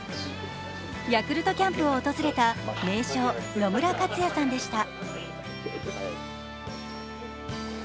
ヤクルトキャンプを訪れた名将・野村克也さんでした。